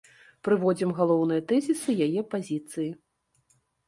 Прыводзім галоўныя тэзісы яе пазіцыі.